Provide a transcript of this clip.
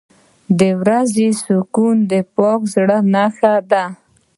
• د ورځې سکون د پاک زړه نښه ده.